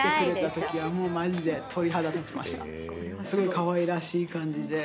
すごいかわいらしい感じで。